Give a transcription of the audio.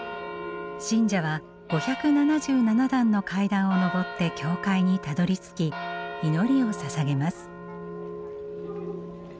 信者は５７７段の階段を上って教会にたどりつき祈りをささげます。